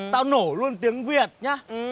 tao nổ luôn tiếng việt nhá